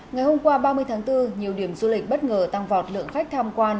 ngày hôm qua ba mươi tháng bốn nhiều điểm du lịch bất ngờ tăng vọt lượng khách tham quan